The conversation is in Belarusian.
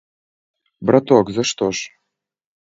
Браток, за што ж?